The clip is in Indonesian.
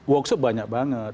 workshop banyak banget